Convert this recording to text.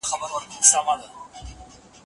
راتلونکي ته په مثبت نظر وګورئ.